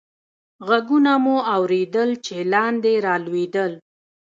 ږغونه مو اورېدل، چې لاندې رالوېدل.